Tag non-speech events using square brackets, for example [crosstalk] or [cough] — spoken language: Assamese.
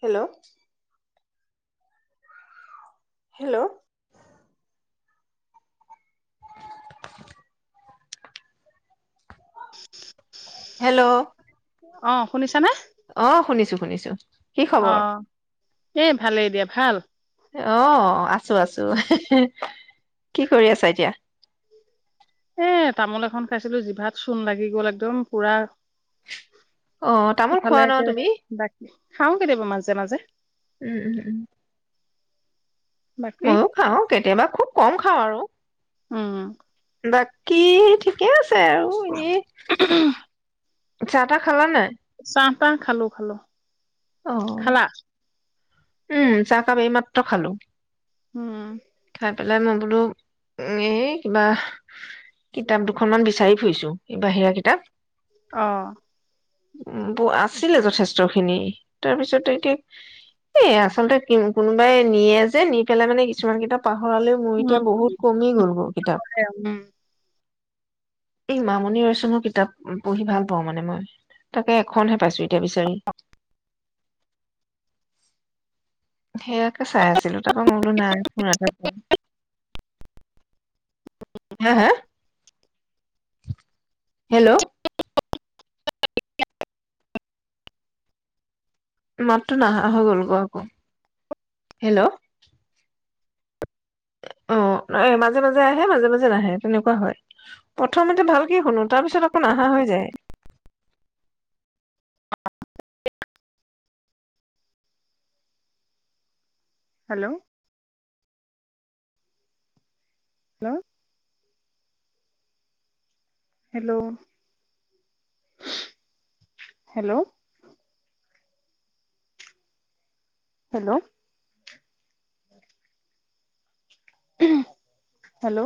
হেল্ল' হেল্ল' [unintelligible] [unintelligible] হেল্ল' অ শুনিছানে অ' শুনিছো, শুনিছো। কি খবৰ? এ ভালেই দিয়া। ভাল? অ'হ! আছো, আছো। কি কৰি আছা এতিয়া? এ তামোল এখন খাইছিলো। জিভাত চূণ লাগি গ'ল একদম পুৰা অ তামোল ইফালে খোৱা ন একে তুমি দাক। খাওঁ, কেতিয়াবা মাজে মাজে। উম উম উম বাকী ময়ো খাওঁ কেতিয়াবা, খুব কম খাওঁ আৰু উম্, উম্। বাকী, ঠিকে আছে। ছে আৰু এনেই চাহ-তাহ খালা নাই? চাম চাহ, খালো, খালো। অ' খালা উম! চাহকাপ এইমাত্ৰ খালো। উমম। আহি পেলাই, মই বোলো! এই কিবা! কিতাপ দুখনমান বিচাৰি ফুৰিছো। এই বাহিৰা কিতাপ। অ'। উম, আছিলে যথেষ্ট খিনি। তাৰপিছতে এতিয়া, এ আচলতে কোনোবাই নিয়ে যে। নি পেলাই মানে কিছুমান কিতাপ ভৰালে। মোৰ উম এতিয়া বহুত কমি গ'ল গৈ কিতাপ। উম এই মামণি ৰয়চমৰ কিতাপ পঢ়ি ভাল পাও মানে মই। তাকে এখনহে পাইছো এ এতিয়া বিচাৰিম। সেয়াকে চাই আছিলো। তাৰাপা মই বোলো নাই, ফোন এটা। হা হা! হেল্ল' মাতটো নাহা হৈ গ'ল গৈ আকৌ। হেল্ল'! অ' মাজে মাজে আহে, মাজে মাজে নাহে, তেনেকুৱা হয়। প্ৰথমতে ভালক শুনো, তাৰ পিছত আকৌ নাহা হৈ যায়। হেল্ল' হা হেল্ল' হেল্ল' হেল্ল' হেল্ল'